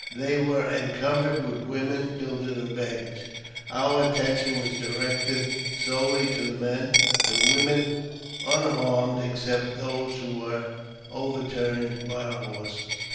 They were encumbered with women, children, and baggage. Our attention was directed solely to the men ; the women were unharmed, except those who were overturned by our horses.